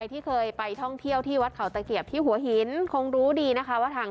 ที่เคยไปท่องเที่ยวที่วัดเขาตะเกียบที่หัวหินคงรู้ดีนะคะว่าทาง